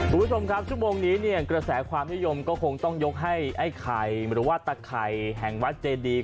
บุตชนครับชุมงานนี้กระแสความเยอมคงต้องยกให้ไอ้ไข่หรือว่าตะไข่แห่งวัดเจฒีครับ